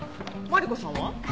マリコさんは？